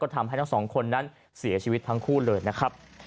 ทำให้ทั้งสองคนนั้นเสียชีวิตทั้งคู่เลยนะครับ